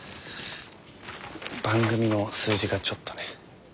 番組の数字がちょっとね。